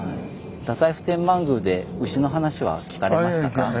太宰府天満宮で牛の話は聞かれましたか？